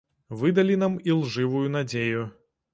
Вы далі нам ілжывую надзею.